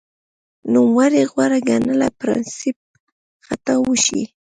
نوموړي غوره ګڼله پرنسېپ خطاب وشي